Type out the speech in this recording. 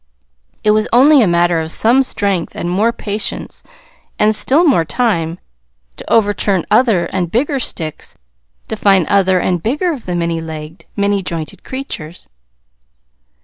It was only a matter of some strength and more patience, and still more time, to overturn other and bigger sticks, to find other and bigger of the many legged, many jointed creatures.